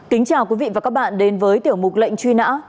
kính chào quý vị và các bạn đến với tiểu mục lệnh truy nã